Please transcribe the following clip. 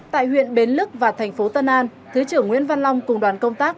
tại huyện bến lức và thành phố tân an thứ trưởng nguyễn văn long cùng đoàn công tác